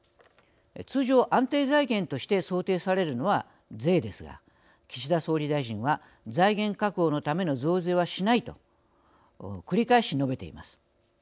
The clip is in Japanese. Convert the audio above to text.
通常安定財源として想定されるのは税ですが岸田総理大臣は財源確保のための増税はしないと繰り返し述べています。